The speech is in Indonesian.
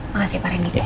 makasih pak rendy